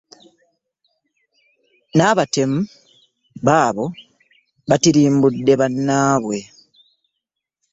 N’abatemu baabo batirimbudde bannaabwe.